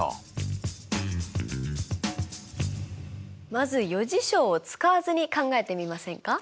まず余事象を使わずに考えてみませんか？